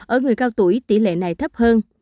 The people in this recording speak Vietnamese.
ở người cao tuổi tỷ lệ này thấp hơn